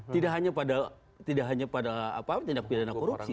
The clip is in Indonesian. tidak hanya pada tindak pidana korupsi